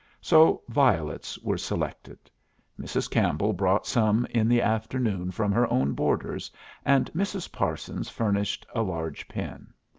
So violets were selected; Mrs. Campbell brought some in the afternoon from her own borders, and Mrs. Parsons furnished a large pin.